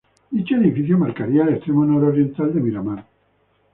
Dicho edificio marcaría el extremo nororiental de Miramar.